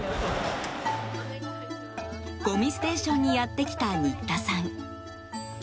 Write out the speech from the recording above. ごみステーションにやってきた新田さん。